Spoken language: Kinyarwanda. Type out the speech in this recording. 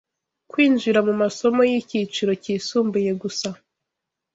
kwinjira mu masomo y’icyiciro cyisumbuye gusa